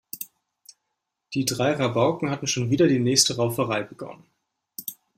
Die drei Rabauken hatten schon wieder die nächste Rauferei begonnen.